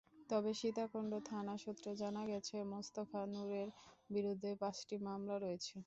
তবে সীতাকুণ্ড থানা সূত্রে জানা গেছে, মোস্তফা নূরের বিরুদ্ধে পাঁচটি মামলা রয়েছে।